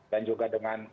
dan juga dengan